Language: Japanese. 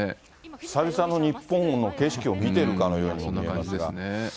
久々の日本の景色を見てるかのような、そんな感じですね。